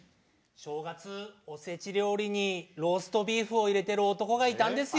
正月、おせち料理にロースとビーフを入れてる男がいたんですよ。